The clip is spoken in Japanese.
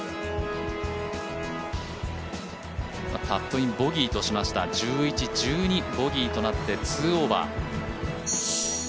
パットインボギーとしました１１、１２、ボギーとなって２オーバー。